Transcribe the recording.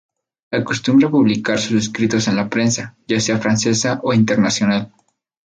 Acostumbra a publicar sus escritos en la prensa, ya sea francesa o internacional.